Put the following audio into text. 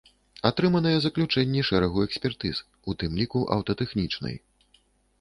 Атрыманыя заключэнні шэрагу экспертыз, у тым ліку аўтатэхнічнай.